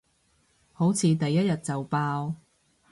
好似第一日就爆